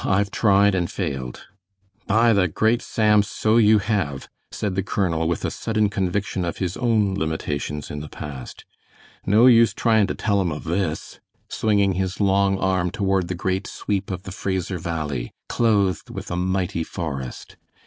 I've tried and failed." "By the great Sam, so you have!" said the colonel, with a sudden conviction of his own limitations in the past. "No use tryin' to tell 'em of this," swinging his long arm toward the great sweep of the Fraser Valley, clothed with a mighty forest.